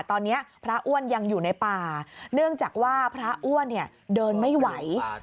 ตอนนี้พระอ้วนยังอยู่ในป่าเนื่องจากว่าพระอ้วนเดินไม่ไหว